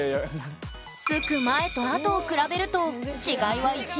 すく前とあとを比べると違いは一目瞭然。